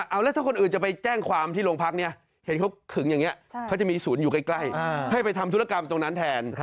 เอาแล้วถ้าคนอื่นจะไปแจ้งความที่โรงพักเนี่ยเห็นเขาขึงอย่างนี้เขาจะมีศูนย์อยู่ใกล้ให้ไปทำธุรกรรมตรงนั้นแทน